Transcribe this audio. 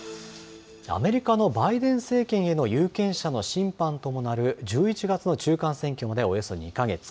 アメリカのバイデン政権の有権者の審判ともなる、１１月の中間選挙までおよそ２か月。